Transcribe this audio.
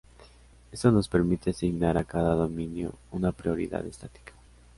Esto nos permite asignar a cada dominio una prioridad estática.